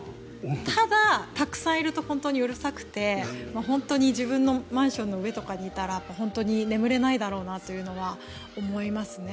ただ、たくさんいると本当にうるさくて本当に自分のマンションの上とかにいたら本当に眠れないだろうなというのは思いますね。